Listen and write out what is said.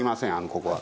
ここは。